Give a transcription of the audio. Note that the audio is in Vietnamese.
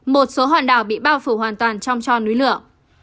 một số hòn đảo bị bao phủ hoàn toàn trong cho núi lửa